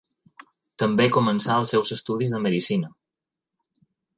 També començà els seus estudis de Medicina.